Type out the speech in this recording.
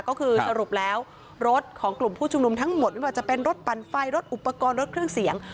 ก็คือสรุปแล้วรถของกลุ่มผู้ชุมนุมทั้งหมดไม่ว่าจะเป็นรถปั่นไฟรถอุปกรณ์รถเครื่องเสียง